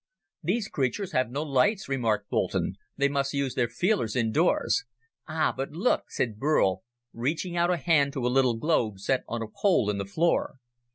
"These creatures have no lights," remarked Boulton. "They must use their feelers indoors." "Ah, but look," said Burl, reaching out a hand to a little globe set on a pole in the floor.